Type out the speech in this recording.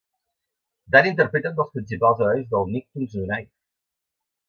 Danny interpreta un dels principals herois del Nicktoons Unite!